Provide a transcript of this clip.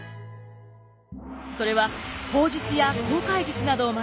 それは砲術や航海術などを学ぶ